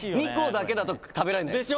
「２個だけだと食べられない」